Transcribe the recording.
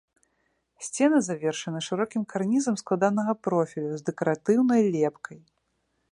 Сцены завершаны шырокім карнізам складанага профілю з дэкаратыўнай лепкай.